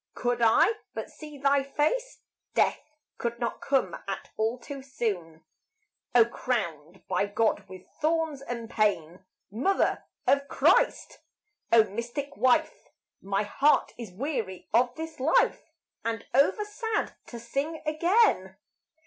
could I but see thy face Death could not come at all too soon. O crowned by God with thorns and pain! Mother of Christ! O mystic wife! My heart is weary of this life And over sad to sing again.